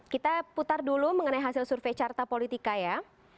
kita putar dulu mengenai hasil survei carta politika ya